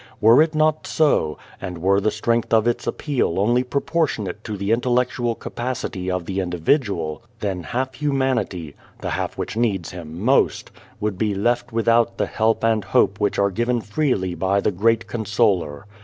Were it not so, and were the strength of its appeal only proportionate to the intellectual capacity of the individual, then half humanity the half which needs Him most would be left without the help and hope which are given freely by the Great Consoler.